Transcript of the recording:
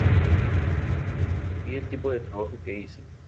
Vi el tipo de trabajo que hizo.